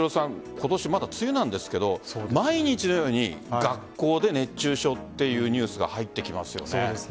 今年の梅雨なんですけど毎日のように学校で熱中症というニュースが入ってきますよね。